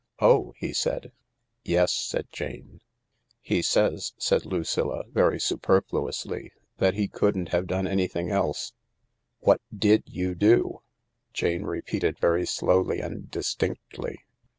"Oh I" he said. " Yes," said Janfe. " He says," said Lucilla, very superfluously, " that he couldn't have done anything else." "What— did— you— do ?" Jane repeated Very slowly and distinctly.